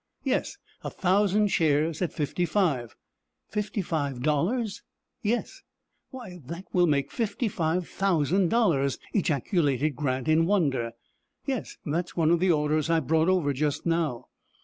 "Yes, a thousand shares, at fifty five." "Fifty five dollars?" "Yes." "Why, that will make fifty five thousand dollars," ejaculated Grant, in wonder. "Yes, that is one of the orders I brought over just now."